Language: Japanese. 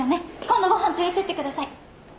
今度ごはん連れてってください。